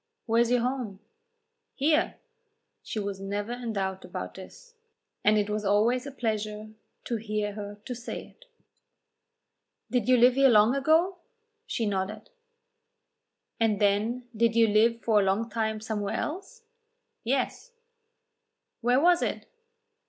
"Where is your home?" "Here." She was never in doubt about this, and it was always a pleasure to her to say it. "Did you live here long ago?" She nodded. "And then did you live for a long time somewhere else?" "Yes." "Where was it?"